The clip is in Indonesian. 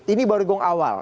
ini baru gong awal